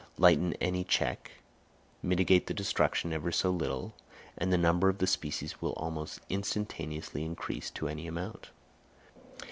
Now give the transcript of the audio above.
Lighten any check, mitigate the destruction ever so little, and the number of the species will almost instantaneously increase to any amount.